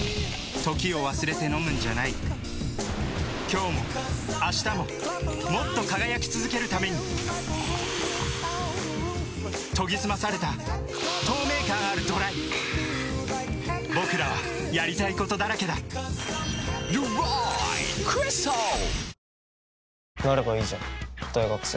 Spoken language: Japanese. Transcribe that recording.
時を忘れて飲むんじゃない今日も明日ももっと輝き続けるために研ぎ澄まされた透明感あるＤＲＹぼくらはやりたいことだらけだ「ドライクリスタル」